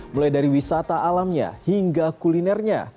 mulai dari wisata alamnya hingga kulinernya